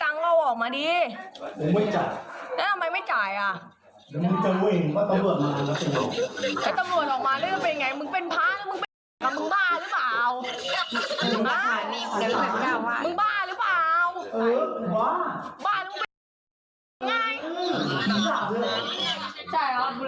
มึกเป็นพราแล้วมึงบ้าหรือเปล่ามึงบ้าหรือเปล่า